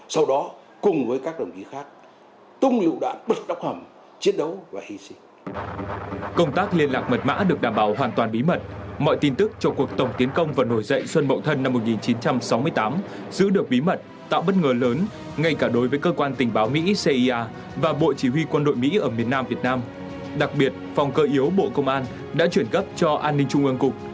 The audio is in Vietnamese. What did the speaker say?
sau đó cùng với các đồng chí khác tung lựu đạn bực đọc hầm